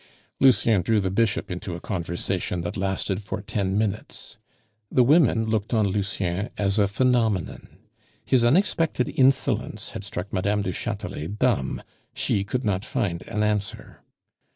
Lucien drew the Bishop into a conversation that lasted for ten minutes. The women looked on Lucien as a phenomenon. His unexpected insolence had struck Mme. du Chatelet dumb; she could not find an answer.